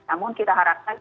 namun kita harapkan